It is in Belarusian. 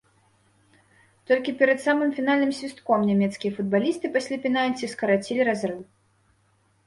Толькі перад самым фінальным свістком нямецкія футбалісты пасля пенальці скарацілі разрыў.